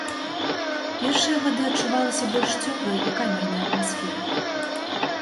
Першыя гады адчувалася больш цёплая і камерная атмасфера.